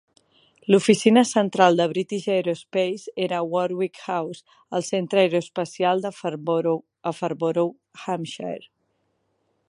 L'oficina central de British Aerospace era a Warwick House, al Centre Aeroespacial de Farnborough a Farnborough, Hampshire.